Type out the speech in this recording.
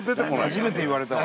初めて言われたわ。